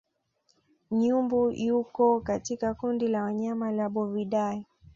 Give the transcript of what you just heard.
Nyumbu yuko katika kundi la wanyama la Bovidae